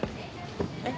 えっ？